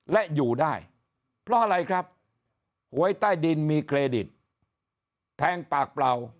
และอยู่ได้เพราะอะไรครับหวยใต้ดินมีเครดิตแทงปากเปล่า